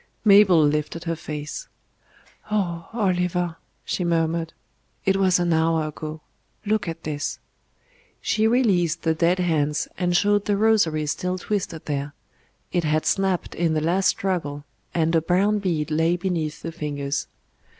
Mabel lifted her face. "Oh! Oliver," she murmured. "It was an hour ago. ... Look at this." She released the dead hands and showed the rosary still twisted there; it had snapped in the last struggle, and a brown bead lay beneath the fingers.